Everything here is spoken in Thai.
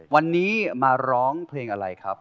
วันนี้มาร้องเพลงอะไรครับ